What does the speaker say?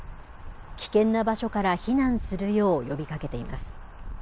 危険な場所から避難するよう呼びかけています。